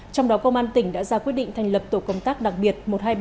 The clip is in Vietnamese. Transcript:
trong đó công an tỉnh đã ra quyết định thành lập tổ công tác đặc biệt một trăm hai mươi ba